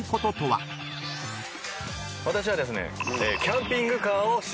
私はですね。